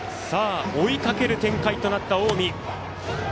追いかける展開となった近江。